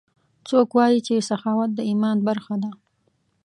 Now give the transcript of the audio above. څوک وایي چې سخاوت د ایمان برخه ده